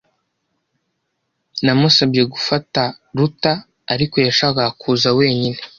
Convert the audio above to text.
Namusabye gufata Ruta , ariko yashakaga kuza wenyine.